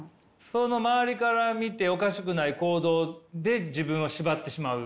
その周りから見ておかしくない行動で自分を縛ってしまう？